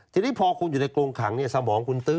ทีนี้พอคุณอยู่ในกรงขังสมองคุณตื้อ